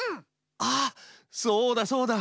ああそうだそうだ！